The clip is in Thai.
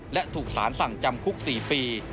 และถูกสารสั่งจำคุก๔ปี